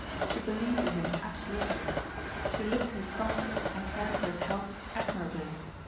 She believed in him absolutely. She looked to his comforts and cared for his health admirably.